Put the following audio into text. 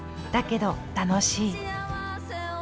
だけど楽しい」。